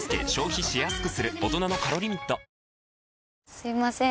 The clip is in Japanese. すいません。